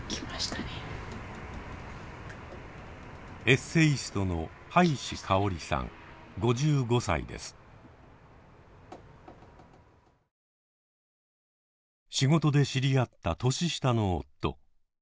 エッセイストの仕事で知り合った年下の夫。